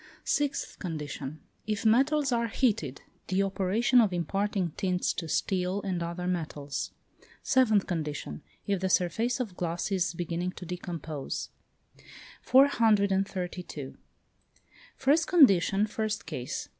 Sixth condition. If metals are heated; the operation of imparting tints to steel and other metals. Seventh condition. If the surface of glass is beginning to decompose. 432. First condition, first case.